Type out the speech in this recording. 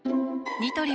ニトリ